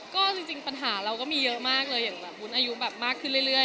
ก็จริงปัญหาเราก็มีเยอะมากเลยอย่างแบบวุ้นอายุแบบมากขึ้นเรื่อย